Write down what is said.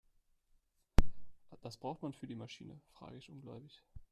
Das braucht man für die Maschine?, fragte ich ungläubig.